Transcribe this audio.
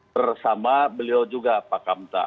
bersama beliau juga pak kamta